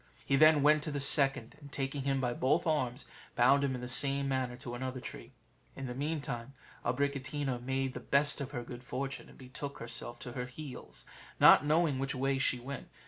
He then went to the second, and taking him by both arms, bound him in the same manner to another tree. In the meantime Abricotina made the best of her good fortune, and betook herself to her heels, not knowing which way she went.